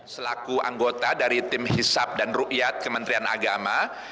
selaku anggota dari tim hisap dan rukyat kementerian agama